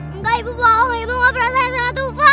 enggak ibu bohong ibu gak pernah sayang sama tufa